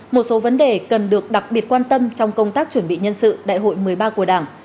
một số vấn đề cần được đặc biệt quan tâm trong công tác chuẩn bị nhân sự đại hội một mươi ba của đảng